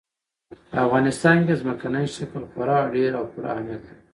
په افغانستان کې ځمکنی شکل خورا ډېر او پوره اهمیت لري.